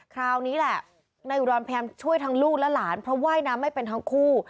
คราวนี้แหละนายอุดรพยายามช่วยทั้งลูกและหลานเพราะว่ายน้ำไม่เป็นทั้งคู่